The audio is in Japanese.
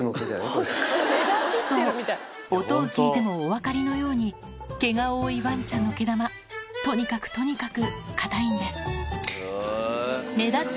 そう音を聞いてもお分かりのように毛が多いワンちゃんの毛玉とにかくとにかく硬いんです目立つ